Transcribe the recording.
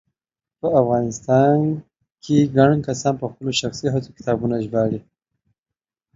په افغانستان کې ګڼ کسان په خپلو شخصي هڅو کتابونه ژباړي